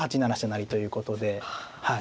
成ということではい